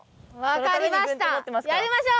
わかりました！